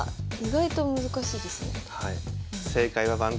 意外と難しいですね。